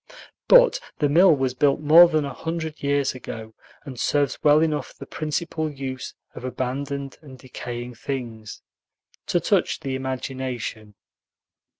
But the mill was built more than a hundred years ago, and serves well enough the principal use of abandoned and decaying things, to touch the imagination.